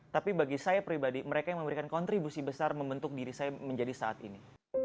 tapi bagi saya pribadi mereka yang memberikan kontribusi besar membentuk diri saya menjadi saat ini